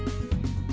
nguy hiểm ngay đây